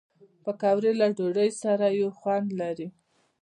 پکورې له ډوډۍ سره یو خوند لري